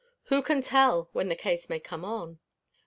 Who can tell when the case may come on?